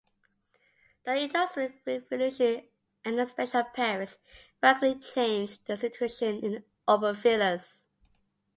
The Industrial Revolution and the expansion of Paris radically changed the situation in Aubervilliers.